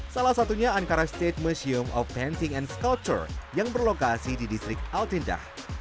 salah satunya ankara state museum of painting and sculpture yang berlokasi di distrik altinda